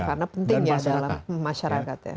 karena penting ya dalam masyarakat ya